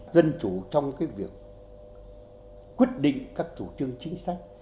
dân chủ trong việc quyết định các chủ trương chính sách